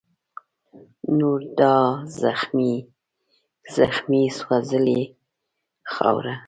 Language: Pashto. نور دا زخمې زخمي سوځلې خاوره